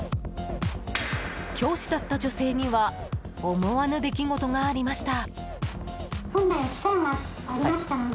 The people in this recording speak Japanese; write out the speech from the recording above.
教師だった女性には思わぬ出来事がありました。